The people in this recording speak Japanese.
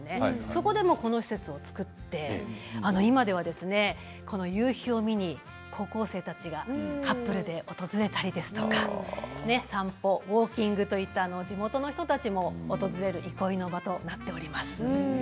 それで今この施設を造って今では夕日を見に高校生たちがカップルで訪れたり散歩、ウォーキングといった地元の人たちも訪れるすばらしいな。